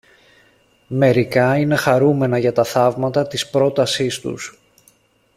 Μερικά είναι χαρούμενα για τα θαύματα της πρότασής τους